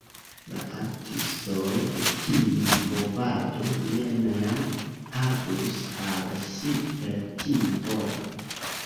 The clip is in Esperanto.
La artistoj de tiu movado ne mem aludis al si per tiu vorto.